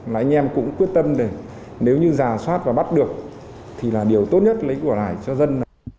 là anh em cũng quyết tâm để nếu như giả soát và bắt được thì là điều tốt nhất lấy của lại cho dân